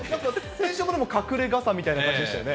先週も隠れ傘みたいな感じでしたよね。